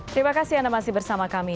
terima kasih anda masih bersama kami